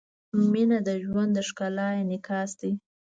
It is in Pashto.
• مینه د ژوند د ښکلا انعکاس دی.